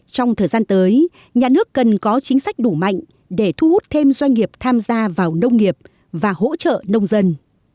trong thời gian tới nhà nước cần có chính sách đủ mạnh để thu hút thêm doanh nghiệp tham gia vào nông nghiệp và hỗ trợ nông dân